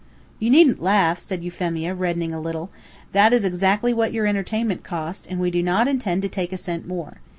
"You needn't laugh," said Euphemia, reddening a little. "That is exactly what your entertainment cost, and we do not intend to take a cent more.